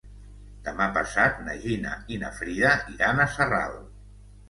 Demà passat na Gina i na Frida iran a Sarral.